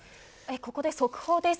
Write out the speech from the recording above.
ここで速報です。